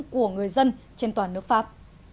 của người dân trên toàn nước pháp